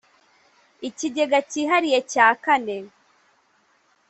Ikigega Cyihariye cya kane